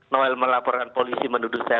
noel melaporkan polisi menuduh saya